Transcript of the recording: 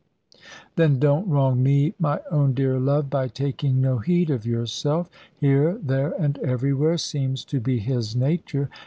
"Then don't wrong me, my own dear love, by taking no heed of yourself. Here, there, and everywhere seems to be his nature.